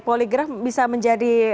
poligraf bisa menjadi